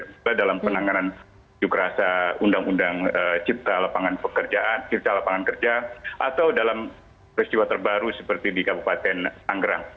misalnya dalam penanganan jukrasa undang undang cipta lapangan pekerjaan cipta lapangan kerja atau dalam peristiwa terbaru seperti di kabupaten tanggerang